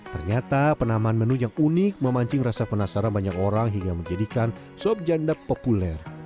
ternyata penamaan menu yang unik memancing rasa penasaran banyak orang hingga menjadikan sop janda populer